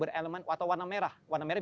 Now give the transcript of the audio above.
berelemen atau warna merah warna merah